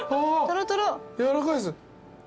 やわらかいです。